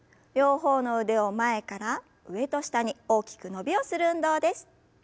両方の腕を前から上と下に大きく伸びをする運動です。